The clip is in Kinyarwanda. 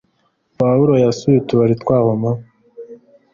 Pawulo yasuye utubari twaho m